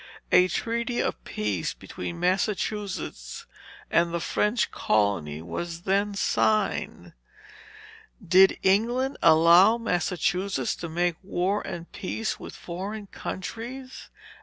A treaty of peace, between Massachusetts and the French colony, was then signed." "Did England allow Massachusetts to make war and peace with foreign countries?"